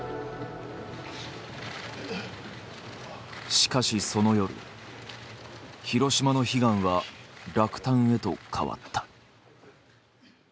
しかしその夜ヒロシマの悲願は落胆へと変わった。